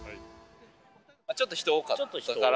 ちょっと人多かったから。